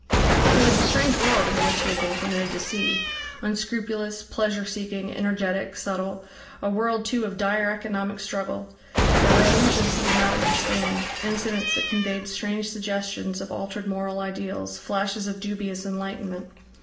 It was a strange world into which he had been permitted to see, unscrupulous, pleasure seeking, energetic, subtle, a world too of dire economic struggle; there were allusions he did not understand, incidents that conveyed strange suggestions of altered moral ideals, flashes of dubious enlightenment.